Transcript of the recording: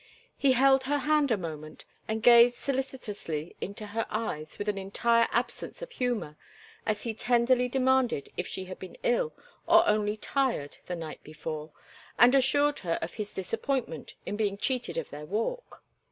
He held her hand a moment and gazed solicitously into her eyes with an entire absence of humor as he tenderly demanded if she had been ill or only tired the night before, and assured her of his disappointment in being cheated of their walk.